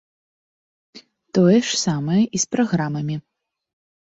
Тое ж самае і з праграмамі.